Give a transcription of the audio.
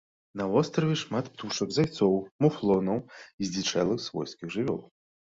На востраве шмат птушак, зайцоў, муфлонаў і здзічэлых свойскіх жывёл.